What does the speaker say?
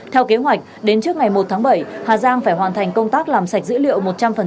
theo kế hoạch đến trước ngày một tháng bảy hà giang phải hoàn thành công tác làm sạch dữ liệu một trăm linh